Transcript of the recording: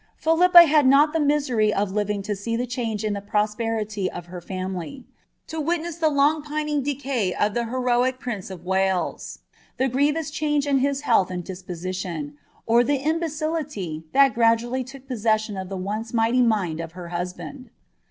Philippa had not the misery of living to see the change in Uie pros iritj of her fiunily ; to witness tlie long pining decay of the heroic riaoe of Wales ; the grievous change in his health and disposition ; or le imbecility, that gradually took possession of the once mighty mind r her husband.